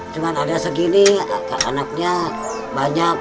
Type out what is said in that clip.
cuma ada segini anaknya banyak